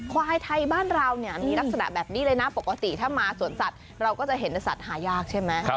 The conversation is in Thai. ควายไทยบ้านเราเนี่ยมีลักษณะแบบนี้เลยนะปกติถ้ามาสวนสัตว์เราก็จะเห็นสัตว์หายากใช่ไหม